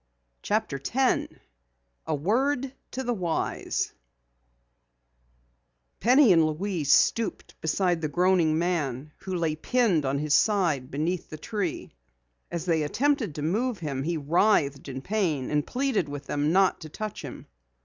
CHAPTER 10 A WORD TO THE WISE Penny and Louise stooped beside the groaning man who lay pinned on his side beneath the tree. As they attempted to move him he writhed in pain and pleaded with them not to touch him.